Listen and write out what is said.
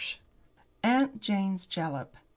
AUNT JANE'S JALAP.